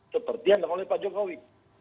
seperti yang dilakukan oleh pak jokowi